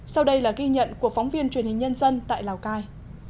sau đây là ghi nhận của phóng viên truyền hình nhân dân tại lào cai